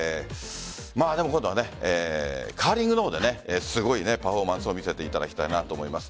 でも今度はカーリングの方ですごいパフォーマンスを見せていただきたいなと思います。